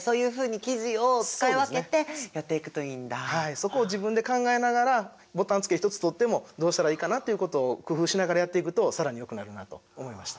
そこを自分で考えながらボタン付け一つとってもどうしたらいいかなっていうことを工夫しながらやっていくと更によくなるなと思いました。